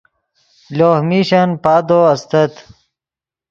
لوہ میشن پادو استت